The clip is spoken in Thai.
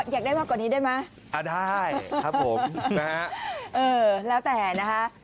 อยากได้มากกว่านี้ได้ไหมอ่าได้ครับผมนะฮะเออแล้วแต่นะคะ